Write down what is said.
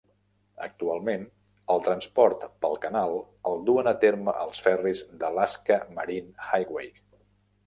Actualment, el transport pel canal el duen a terme els ferris de l'Alaska Marine Highway.